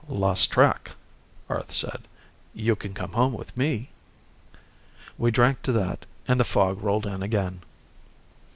"Lost track," Arth said. "You can come home with me." We drank to that and the fog rolled in again.